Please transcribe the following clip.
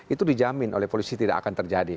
itu dijamin oleh polisi tidak akan terjadi